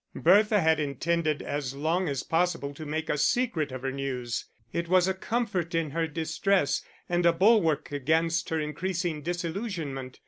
Bertha had intended as long as possible to make a secret of her news; it was a comfort in her distress, and a bulwark against her increasing disillusionment.